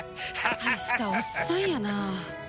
大したおっさんやな。